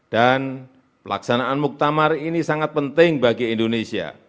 dan pelaksanaan muktamar ini sangat penting bagi indonesia